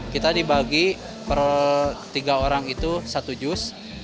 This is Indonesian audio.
kita dibagi ketiga orang itu satu jus